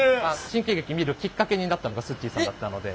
新喜劇見るきっかけになったのがすっちーさんだったので。